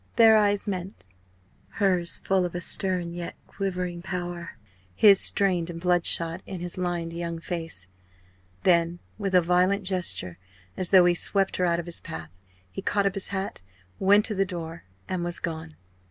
Their eyes met hers full of a certain stern yet quivering power, his strained and bloodshot, in his lined young face. Then, with a violent gesture as though he swept her out of his path he caught up his hat, went to the door, and was gone.